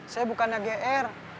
saya bukannya gr